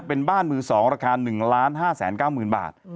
เป็นบ้านมือ๒ราคา๑๕๙๐๐๐บาท